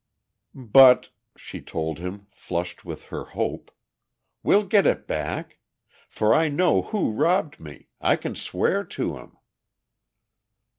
"But," she told him, flushed with her hope, "we'll get it back! For I know who robbed me, I can swear to him!"